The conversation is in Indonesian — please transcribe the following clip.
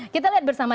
kita lihat bersama